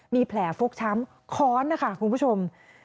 มีแผลฟกช้ำค้อนนะคะคุณผู้ชม